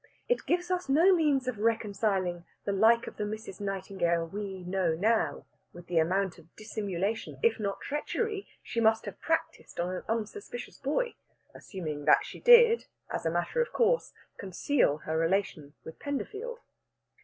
It gives us no means of reconciling the like of the Mrs. Nightingale we know now with the amount of dissimulation, if not treachery, she must have practised on an unsuspicious boy, assuming that she did, as a matter of course, conceal her relation with Penderfield.